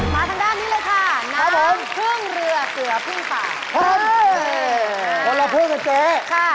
มาทางด้านนี้เลยค่ะน้ำเพลิงเหลือเกลือถึงฝ่า